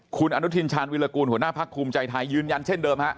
คุณอนุทินชาญวิรากูลหัวหน้าพักภูมิใจไทยยืนยันเช่นเดิมฮะ